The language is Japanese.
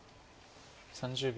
３０秒。